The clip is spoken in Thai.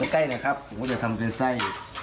ใกล้นะครับผมก็จะทำเป็นไส้